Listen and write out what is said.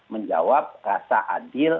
menjawab rasa adil